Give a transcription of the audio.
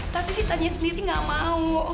tapi sitanya sendiri gak mau